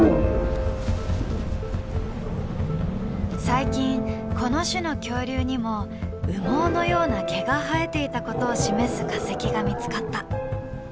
最近この種の恐竜にも羽毛のような毛が生えていたことを示す化石が見つかった。